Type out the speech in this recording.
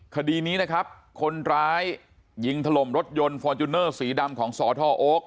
คดีนี้นะครับคนร้ายยิงถล่มรถยนต์ฟอร์จูเนอร์สีดำของสทโอ๊ค